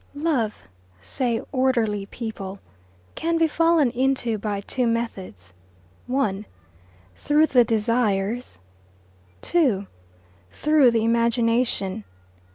VII Love, say orderly people, can be fallen into by two methods: (1) through the desires, (2) through the imagination.